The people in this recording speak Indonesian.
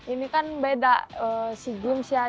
ini kan beda sea games ya